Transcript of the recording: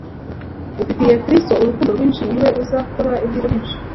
Ufitiye Kristo urukundo rwinshi, ni we uzakora ibyiza byinshi.